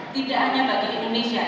tidak hanya bagi indonesia